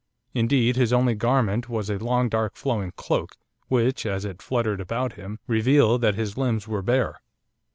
Indeed, his only garment was a long dark flowing cloak which, as it fluttered about him, revealed that his limbs were bare.